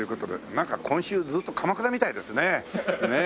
なんか今週ずーっと鎌倉みたいですねえ。